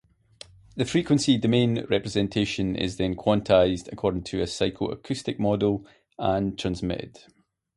The frequency domain representation is then quantized according to a psycho-acoustic model and transmitted.